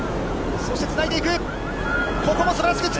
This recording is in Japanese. そしてつないでいく。